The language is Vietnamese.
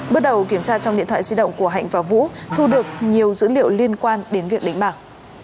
bước đầu kiểm tra trong điện thoại di động của hạnh và vũ thu được nhiều dữ liệu liên quan đến việc đánh bạc